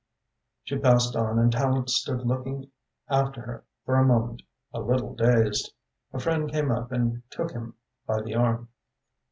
She passed on and Tallente stood looking after her for a moment, a little dazed. A friend came up and took him by the arm.